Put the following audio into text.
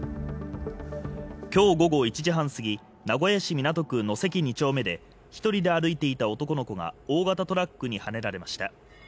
今日午後１時半すぎ名古屋市南区野跡２丁目で１人で歩いていた男の子が大型トラックにはねられました。